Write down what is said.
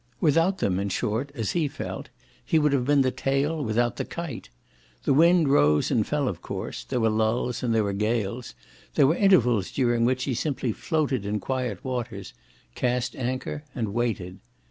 Without them in short, as he felt, he would have been the tail without the kite. The wind rose and fell of course; there were lulls and there were gales; there were intervals during which he simply floated in quiet waters cast anchor and waited.